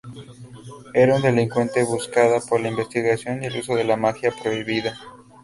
Era un delincuente buscada por la investigación y el uso de magia prohibida.